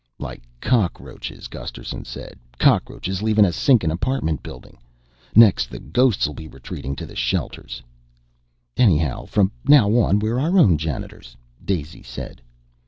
"Like cockroaches," Gusterson said. "Cockroaches leavin' a sinkin' apartment building. Next the ghosts'll be retreatin' to the shelters." "Anyhow, from now on we're our own janitors," Daisy said.